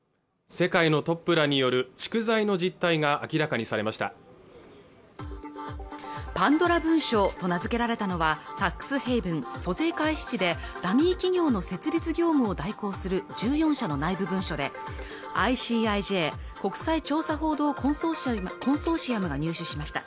世界のトップらによる蓄財の実態が明らかにされましたパンドラ文書と名付けられたのはタックスヘイブン＝租税回避地でダミー企業の設立業務を代行する１４社の内部文書でＩＣＩＪ＝国際調査報道コンソーシアムが入手しました